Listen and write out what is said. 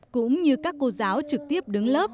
cũng như các cô giáo trực tiếp đứng lớp